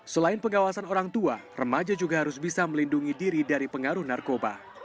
selain pengawasan orang tua remaja juga harus bisa melindungi diri dari pengaruh narkoba